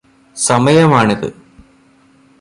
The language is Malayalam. സമയമാണിത്